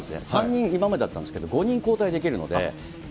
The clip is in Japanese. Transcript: ３人今までだったんですけど、５人交代できるので。